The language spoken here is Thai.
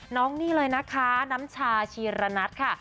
น้องนี่เลยนะคะน้ำชาชีระนัทค่ะ